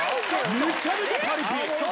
めちゃめちゃパリピ。